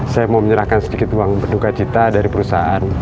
saya mau menyerahkan sedikit uang berduka cita dari perusahaan